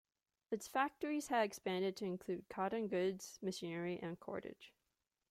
Its factories had expanded to include cotton goods, machinery, and cordage.